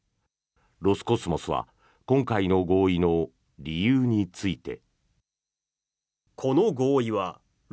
ロスコスモスは今回の合意の理由について。